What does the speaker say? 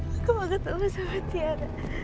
aku mau ketemu sama tiara